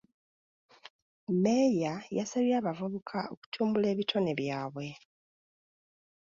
Mmeeya yasabye abavubuka okutumbula ebitone byabwe .